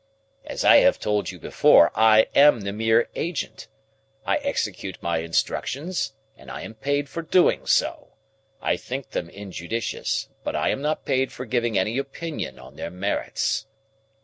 As I have told you before, I am the mere agent. I execute my instructions, and I am paid for doing so. I think them injudicious, but I am not paid for giving any opinion on their merits."